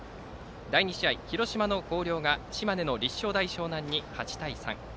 第２試合、広島の広陵が島根の立正大淞南に８対３。